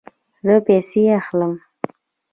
زه پیسې اخلم